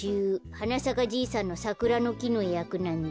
「はなさかじいさん」のサクラのきのやくなんだ。